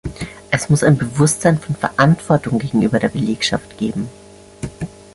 Es muss ein Bewusstsein von Verantwortung gegenüber der Belegschaft geben.